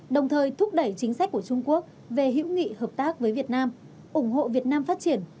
đồng thời thúc đẩy chính sách của trung quốc về hữu nghị hợp tác với việt nam ủng hộ việt nam phát triển